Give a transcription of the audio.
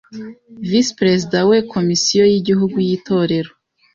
Visi Perezide we Komisiyo y’Igihugu y’Itorero